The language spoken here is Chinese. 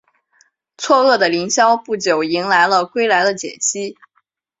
错愕的林萧不久迎来了归来的简溪。